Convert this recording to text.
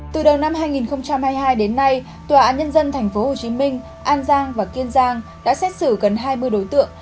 từ đầu năm hai nghìn hai mươi hai đến nay tòa án nhân dân tp hcm an giang và kiên giang đã xét xử gần hai mươi đối tượng